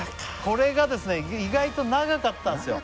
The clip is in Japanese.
これが意外と長かったんですよ